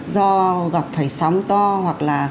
do gặp phải sóng to hoặc là